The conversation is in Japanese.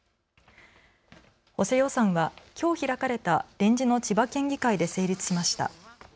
補正予算はきょう開かれた臨時の千葉県議会で成立しました。